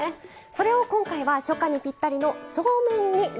それを今回は初夏にぴったりのそうめんにリメイクします。